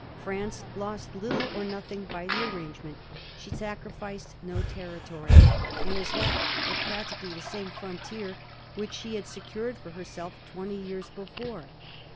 France lost little or nothing by the arrangement : she sacrificed no territory, and was left with practically the same frontier which she had secured for herself twenty years before.